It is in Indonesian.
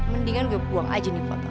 mendingan gue buang aja nih pak